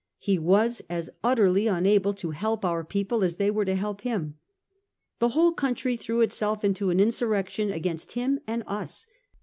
He was as utterly unable to help our people as they were to help him. The whole country threw itself into insurrection against him and us.